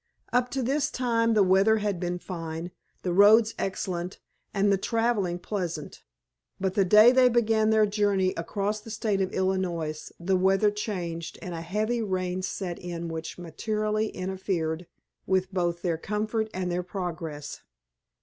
Up to this time the weather had been fine, the roads excellent, and the traveling pleasant. But the day they began their journey across the State of Illinois the weather changed and a heavy rain set in which materially interfered with both their comfort and their progress.